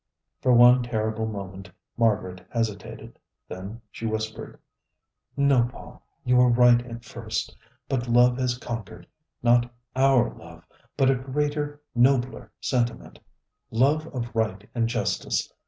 For one terrible moment Margaret hesitated. Then she whispered: "No, Paul, you were right at first; but love has conquered. Not our love, but a greater, nobler sentiment: love of Right and Justice.